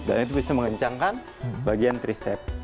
dan itu bisa mengencangkan bagian tricep